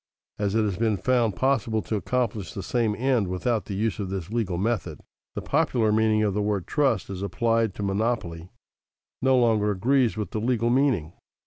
As it has been found possible to accomplish the same end without the use of this legal method, the popular meaning of the word trust, as applied to a monopoly, no longer agrees with the legal meaning.